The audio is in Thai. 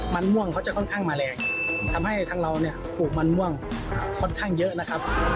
มันม่วงเขาจะค่อนข้างมาแรงทำให้ทางเราเนี่ยปลูกมันม่วงค่อนข้างเยอะนะครับ